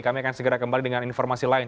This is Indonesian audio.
kami akan segera kembali dengan informasi lain